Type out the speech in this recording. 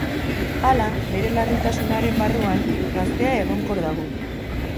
Hala, bere larritasunaren barruan, gaztea egonkor dago.